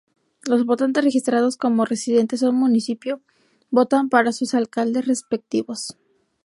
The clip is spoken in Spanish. Los votantes registrados como residentes de un municipio votan para sus alcaldes respectivos.